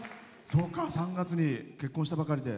そうか、３月に結婚したばかりで。